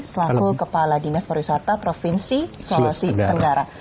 selaku kepala dinas pariwisata provinsi sulawesi tenggara